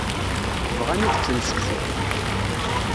Bɣan ad ččen seksu.